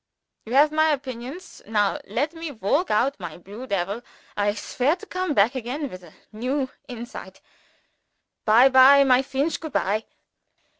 You have my opinions. Now let me walk out my blue devil. I swear to come back again with a new inside. By bye my Feench good bye."